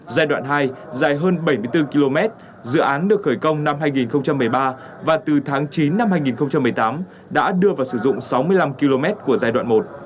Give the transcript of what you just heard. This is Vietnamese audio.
giai đoạn hai dài hơn bảy mươi bốn km dự án được khởi công năm hai nghìn một mươi ba và từ tháng chín năm hai nghìn một mươi tám đã đưa vào sử dụng sáu mươi năm km của giai đoạn một